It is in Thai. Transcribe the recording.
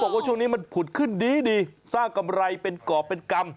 บอกว่าช่วงนี้มันผุดขึ้นดีดีสร้างกำไรเป็นกรอบเป็นกรรม